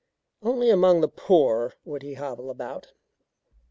Only among the poor would he hobble about.